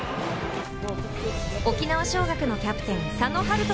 沖縄尚学のキャプテン・佐藤春斗